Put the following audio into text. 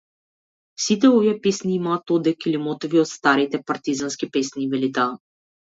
Сите овие песни имаат одек или мотиви од старите партизански песни, вели таа.